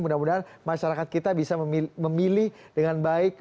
mudah mudahan masyarakat kita bisa memilih dengan baik